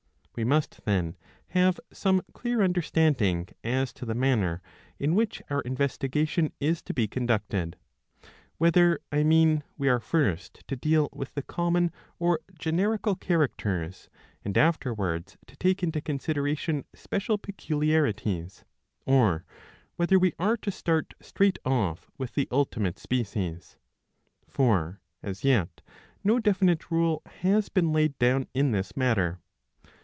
We must, then, have some clear understanding as to the manner in which our investigation is to be conducted ; whether, I mean, we are first to deal with the common or generical characters, and afterwards to take into con sideration special peculiarities ; or whether we are to start straight off with the ultimate species. For as yet no definite rule has been laid down in this matter.